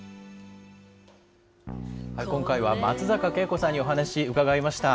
今回は松坂慶子さんにお話伺いました。